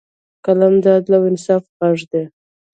قلم د عدل او انصاف غږ دی